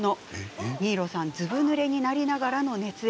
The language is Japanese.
新納さんはずぶぬれになりながら熱演。